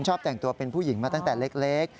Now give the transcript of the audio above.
ชอบแต่งตัวเป็นผู้หญิงมาตั้งแต่เล็ก